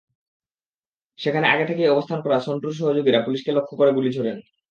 সেখানে আগে থেকেই অবস্থান করা সন্টুর সহযোগীরা পুলিশকে লক্ষ্য করে গুলি ছোড়েন।